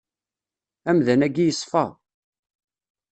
Amdan-agi yeṣfa.